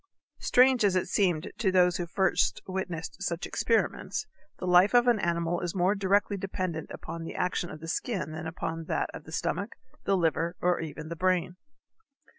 Strange as it seemed to those who first witnessed such experiments, the life of an animal is more directly dependent upon the action of the skin than upon that of the stomach, the liver, or even the brain.